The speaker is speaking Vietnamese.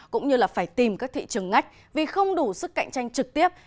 cũng như là phải tìm các thị trường ngách vì không đủ sức cạnh tranh trực tiếp